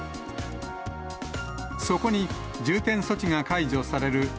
そこに、重点措置が解除される